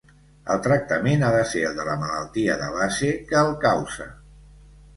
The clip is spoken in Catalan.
El tractament ha de ser el de la malaltia de base que el causa.